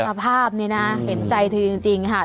สภาพนี้นะเห็นใจเธอจริงค่ะ